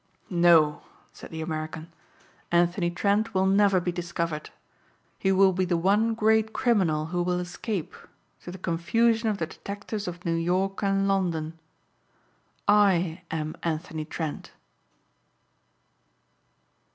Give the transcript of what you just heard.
"No," said the American. "Anthony Trent will never be discovered. He will be the one great criminal who will escape to the confusion of the detectives of New York and London. _I am Anthony Trent.